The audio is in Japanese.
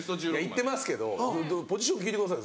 いってますけどポジション聞いてください。